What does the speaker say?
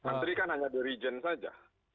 menteri kan hanya di region saja